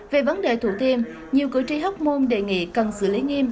về vấn đề thủ thiêm nhiều cử tri hóc môn đề nghị cần xử lý nghiêm